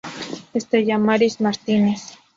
Stella Maris Martínez.